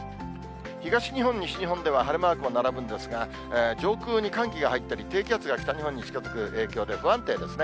東日本、西日本では晴れマークが並ぶんですが、上空に寒気が入ったり、低気圧が北日本に近づく影響で不安定ですね。